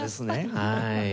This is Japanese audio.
はい。